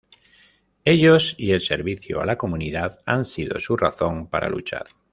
Ellos, y el servicio a la comunidad, han sido su razón para luchar.